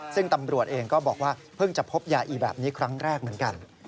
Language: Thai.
ซึ่งตำรวจเองก็บอกว่าเพิ่งจะพบยาอีแบบนี้ครั้งแรกเหมือนกัน